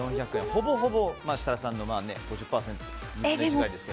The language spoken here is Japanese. ほぼほぼ設楽さんの５０％と同じくらいですが。